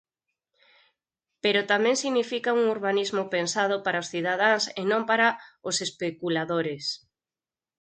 "Pero tamén significa un urbanismo pensado para os cidadáns e non para os especuladores.